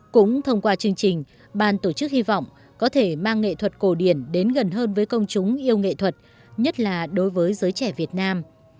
cũng thông qua chương trình ban tổ chức hy vọng có thể mang nghệ thuật cổ điển đến gần hơn với công chúng yêu nghệ thuật nhất là đối với giới trẻ việt nam